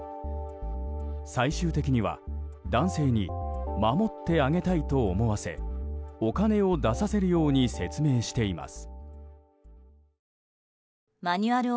最終的には男性に守ってあげたいと思わせお金を出させるように説明しています。